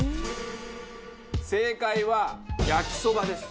正解は焼きそばです。